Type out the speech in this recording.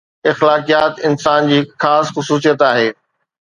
اخلاقيات انسان جي هڪ خاص خصوصيت آهي.